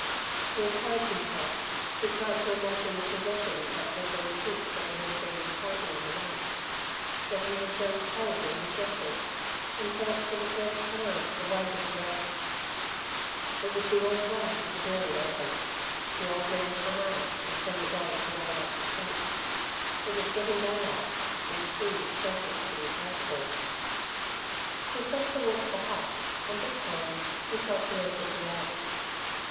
To encourage himself, he tried to imagine the possession of that glittering heap that he had seen them counting on the mat. Yet he had grown cold and dejected, and felt for the first time the weight of the axe. It would be all right if the door would open, the old man come out and send the dog to round up the sheep. It was getting daylight, and soon shelter would be impossible. He crept towards the hut, and this time he felt the edge of the axe.